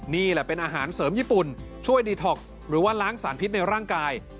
นี่แหละเป็นอาหารเสริมญี่ปุ่นช่วยดีท็อกซ์หรือว่าล้างสารพิษในร่างกาย